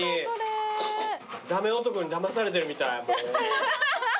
駄目男にだまされてるみたい。